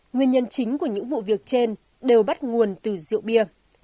nguyên nhân chính của những vụ việc trên đều bắt nguồn từ rượu bia